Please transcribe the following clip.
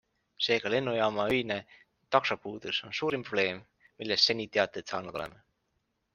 Seega lennujaama öine taksopuudus on suurim probleem, millest seni teateid saanud oleme.